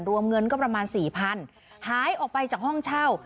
รวมเงินก็ประมาณสี่พันหายออกไปจากห้องเช่า